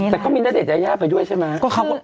แต่เขามีหน้าเด็กยาย่าไปด้วยใช่ไหม